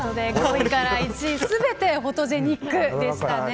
５位から１位全てフォトジェ肉でしたね。